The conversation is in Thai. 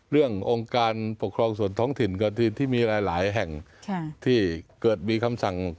องค์การปกครองส่วนท้องถิ่นที่มีหลายแห่งที่เกิดมีคำสั่ง